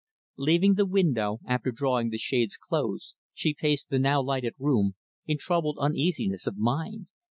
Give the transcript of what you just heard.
Leaving the window, after drawing the shades close, she paced the now lighted room, in troubled uneasiness of mind.